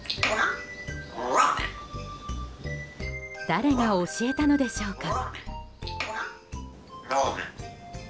誰が教えたのでしょうか。